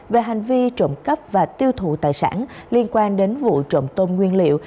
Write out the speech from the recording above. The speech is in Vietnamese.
về hành vi trộm cắp và tiêu thụ tài sản liên quan đến vụ trộm tôm nguyên liệu